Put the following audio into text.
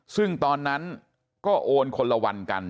ซึ่งตอนนั้นก็โอนคนละวันกัน